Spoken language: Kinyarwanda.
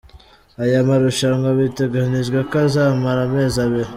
Aya marushanwa biteganijwe ko azamara amezi abiri.